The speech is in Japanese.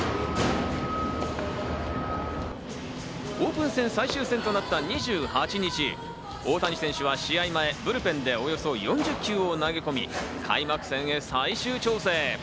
オープン戦最終戦となった２８日、大谷選手は試合前、ブルペンでおよそ４０球を投げ込み、開幕戦へ最終調整。